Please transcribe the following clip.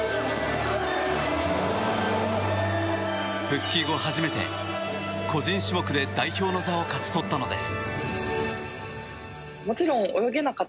復帰後初めて個人種目で代表の座を勝ち取ったのです。